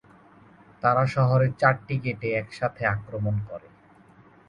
তারা শহরের চারটি গেটে একসাথে আক্রমণ করে।